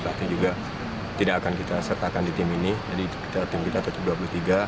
tapi juga tidak akan kita sertakan di tim ini jadi tim kita tetap dua puluh tiga